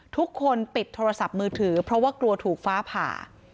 ทุกคนปิดโทรศัพท์มือถือเพราะว่ากลัวถูกฟ้าผ่า